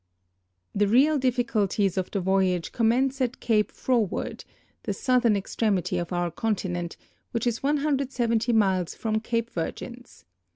The real difficulties of the voyage commence at Cape Froward, the southern extremit}^ of our continent, which is 175 miles from Cape Virgins.